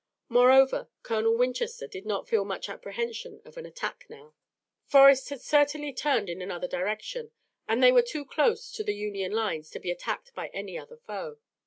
Moreover, Colonel Winchester did not feel much apprehension of an attack now. Forrest had certainly turned in another direction, and they were too close to the Union lines to be attacked by any other foe.